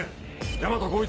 大和耕一